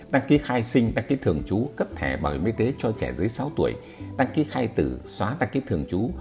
đăng ký khai sinh đăng ký thường trú cấp thẻ bảo hiểm y tế cho trẻ dưới sáu tuổi đăng ký khai tử xóa đăng ký thường trú